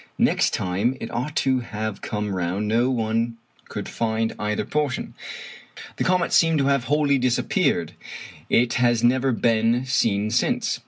Next time it ought to have come round no one could find either portion. The comet seemed to have wholly disappeared. It has never been seen since.